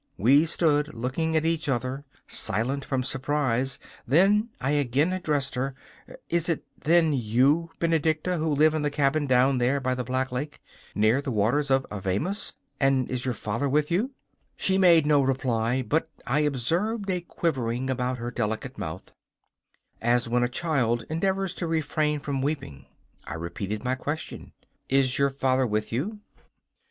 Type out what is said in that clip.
We stood looking at each other, silent from surprise; then I again addressed her: 'Is it, then, you, Benedicta, who live in the cabin down there by the Black Lake near the waters of Avemus? And is your father with you?' She made no reply, but I observed a quivering about her delicate mouth, as when a child endeavours to refrain from weeping. I repeated my question: 'Is your father with you?